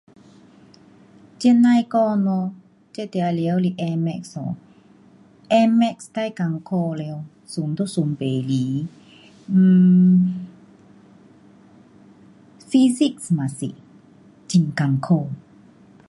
这甭说咯，这当然是 A-math 咯。A-math 最困苦了。算都算不来。[um]physics 也是很困苦。